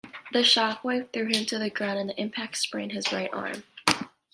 The shockwave threw him to the ground, and the impact sprained his right arm.